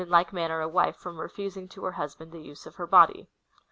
like manner a wife from refusing to her husband the use of her body.